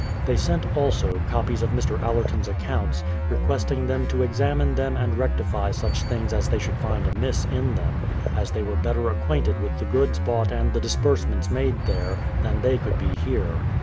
They sent, also, copies of Mr. Allerton's accounts, requesting them to examine them and rectify such things as they should find amiss in them, as they were better acquainted with the goods bought and the disburse ments made there, than they could be here.